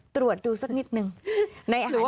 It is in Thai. ตรวจดูสักนิดหนึ่งในอาหารเย็น